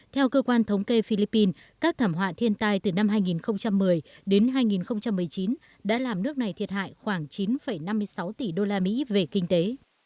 theo cơ quan thống kê philippines các thảm họa thiên tai từ năm hai nghìn một mươi đến hai nghìn một mươi chín đã làm nước này thiệt hại khoảng chín năm mươi sáu tỷ đô la mỹ về kinh tế